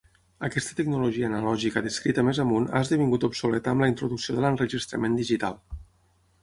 Aquesta tecnologia analògica descrita més amunt ha esdevingut obsoleta amb la introducció de l'enregistrament digital.